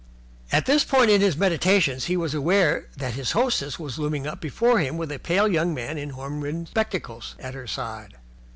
At this point in his meditations he was aware that his hostess was looming up before him with a pale young man in horn rimmed spectacles at her side.